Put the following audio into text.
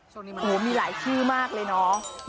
โหมีหลายชื่อมากเลยเนาะ